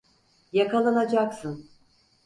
Yakalanacaksın.